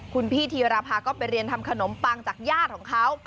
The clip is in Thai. คุณพี่ธีรภาก็ไปเรียนทำขนมปังจากญาติของเขา